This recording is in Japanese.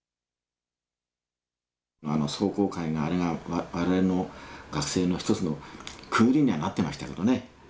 あの壮行会があれが我々の学生の一つの区切りにはなってましたけどね。